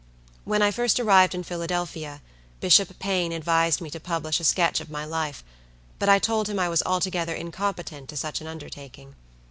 When I first arrived in Philadelphia, Bishop Paine advised me to publish a sketch of my life, but I told him I was altogether incompetent to such an undertaking.